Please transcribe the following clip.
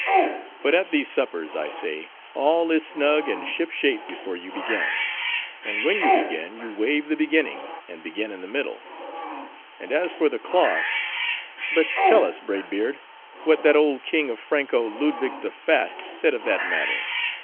—But at these suppers, I say, all is snug and ship shape before you begin; and when you begin, you waive the beginning, and begin in the middle. And as for the cloth,—but tell us, Braid Beard, what that old king of Franko, Ludwig the Fat, said of that matter.